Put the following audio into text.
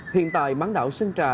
hiện tại bán đảo sơn trà